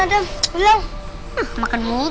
dan itu buat makan aku dulu